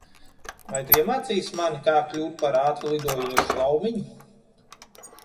Vai tu iemācīsi mani, kā kļūt par ātrlidojošo laumiņu?